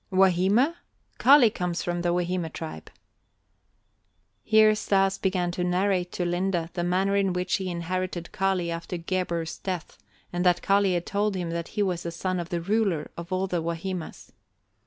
"Wahima? Kali comes from the Wahima tribe." Here Stas began to narrate to Linde the manner in which he inherited Kali after Gebhr's death and that Kali had told him that he was the son of the ruler of all the Wahimas.